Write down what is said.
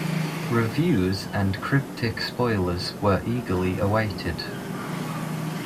Reviews and cryptic spoilers were eagerly awaited.